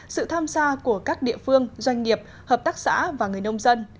sự tham gia của các địa phương doanh nghiệp hợp tác xã và người nông dân